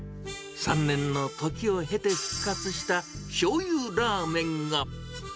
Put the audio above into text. ３年の時を経て復活した、しょうゆラーメンが。